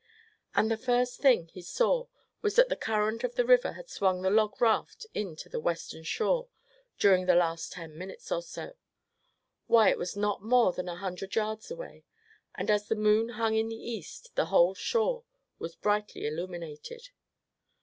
And the first thing he saw was that the current of the river had swung the log raft in to the western shore during the last ten minutes or so. Why, it was not more than a hundred yards away; and as the moon hung in the east, the whole shore line was brightly illuminated.